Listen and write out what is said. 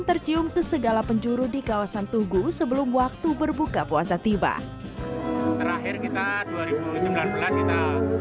tercium ke segala penjuru di kawasan tugu sebelum waktu berbuka puasa tiba terakhir kita dua ribu sembilan belas kita